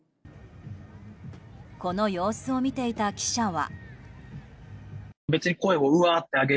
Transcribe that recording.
この様子を見ていた記者は。